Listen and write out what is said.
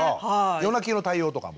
夜泣きの対応とかも？